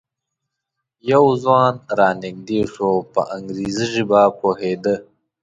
یو ځوان را نږدې شو او په انګریزي ژبه پوهېده.